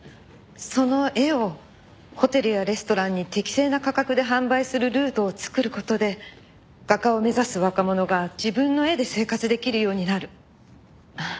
その絵をホテルやレストランに適正な価格で販売するルートを作る事で画家を目指す若者が自分の絵で生活できるようになる。